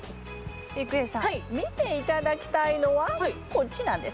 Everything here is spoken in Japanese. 郁恵さん見て頂きたいのはこっちなんです。